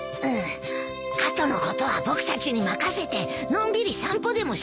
あとのことは僕たちに任せてのんびり散歩でもしてきてよ。